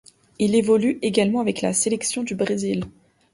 Il évolue également avec la sélection du Brésil.